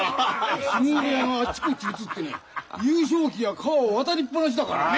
相撲部屋があちこち移ってね優勝旗が川を渡りっ放しだからね。